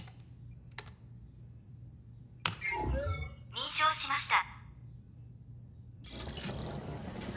認証しました。